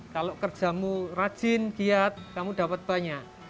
kalau kerjamu rajin giat kamu dapat banyak